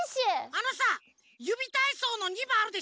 あのさ「ゆびたいそう」の２ばんあるでしょ。